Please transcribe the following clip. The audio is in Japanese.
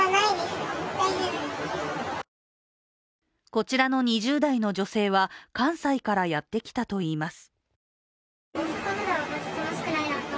こちらの２０代の女性は関西からやってきたといいます。